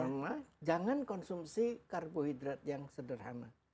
pertama jangan konsumsi karbohidrat yang sederhana